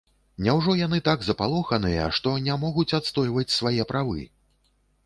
Няўжо яны так запалоханыя, што не могуць адстойваць свае правы?